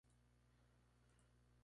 En la isla se encuentran varias cabañas.